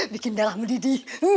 bikin darah mendidih